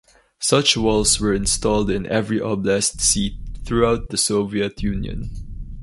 Such walls were installed in every oblast seat throughout the Soviet Union.